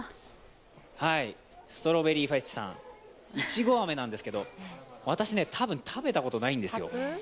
ストロベリーフェチさん、いちご飴なんですけど、私、多分食べたことないんですよ。